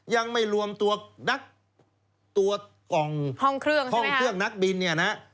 ยังไม่รวมตัวห้องเครื่องนักบิน